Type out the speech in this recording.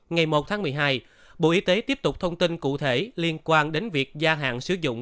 ngày một tháng một mươi hai bộ y tế tiếp tục thông tin cụ thể liên quan đến việc gia hạn sử dụng